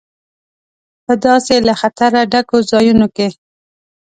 په داسې له خطره ډکو ځایونو کې.